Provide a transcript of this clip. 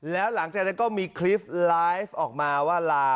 แล้วหลังจากนั้นก็มีคลิปไลฟ์ออกมาว่าลา